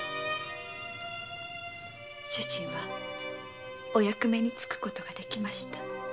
主人はお役目に就く事ができました。